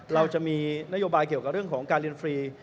เราจะมีนโยบายเกี่ยวกับเรื่องของการเรียนฟรี